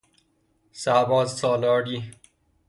سرباز سالاری